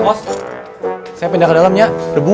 bos saya pindah ke dalam ya debu